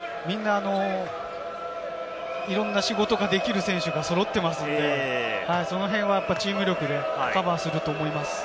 ただ、セルビアは代わってきた選手もみんないろんな仕事ができる選手が揃っていますので、その辺はチーム力でカバーすると思います。